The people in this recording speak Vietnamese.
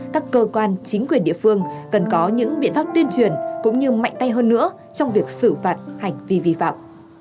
các cơ quan chính quyền địa phương cần có những biện pháp tuyên truyền cũng như mạnh tay hơn nữa trong việc xử phạt hành vi vi phạm